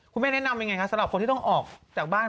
คุณแม่แนะนำยังไงคะสำหรับคนที่ต้องออกจากบ้าน